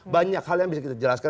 banyak hal yang bisa kita jelaskan